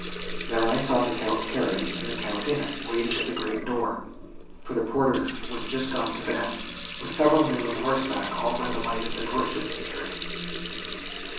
There I saw the Count's carriage, and the Count in it, waiting at the great door,—for the porter was just gone to bed—with several men on horseback all by the light of the torches they carried."